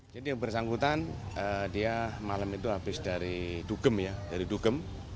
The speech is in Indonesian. jadi yang bersangkutan dia malam itu habis dari dugem ya dari dugem